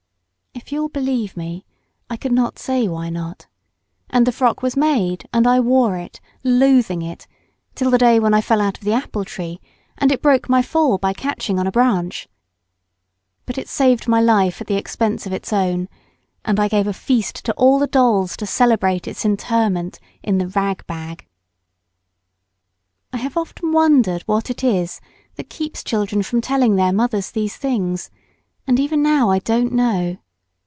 If you'll believe me, I could not say why not. And the frock was made, and I wore it, loathing it, till the day when I fell out of the apple tree, and it broke my fall by catching on a branch. But it saved my life at the expense of its own; and I gave a feast to all the dolls to celebrate its interment in the rag bag. I have often wondered what it is that keeps children from telling their mothers these things and even now I don't know.